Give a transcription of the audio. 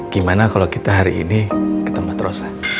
gimana kalau kita hari ini ke tempat rosa